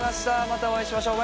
またお会いしましょう。